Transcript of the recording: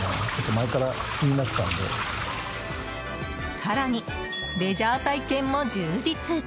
更に、レジャー体験も充実。